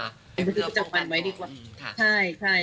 นี่คือจังมันไว้ดีกว่าค่ะใช่